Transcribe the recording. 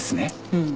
うん